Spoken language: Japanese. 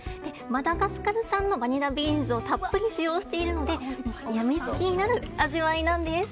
マダガスカル産のバニラビーンズをたっぷり使用しているので病みつきになる味わいなんです。